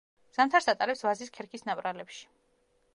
ზამთარს ატარებს ვაზის ქერქის ნაპრალებში.